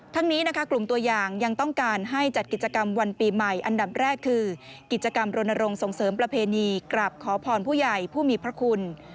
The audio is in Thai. นี้นะคะกลุ่มตัวอย่างยังต้องการให้จัดกิจกรรมวันปีใหม่อันดับแรกคือกิจกรรมรณรงค์ส่งเสริมประเพณีกราบขอพรผู้ใหญ่ผู้มีพระคุณ